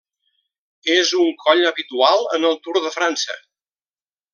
És un coll habitual en el Tour de França.